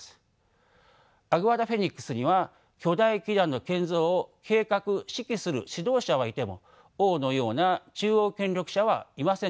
アグアダ・フェニックスには巨大基壇の建造を計画指揮する指導者はいても王のような中央権力者はいませんでした。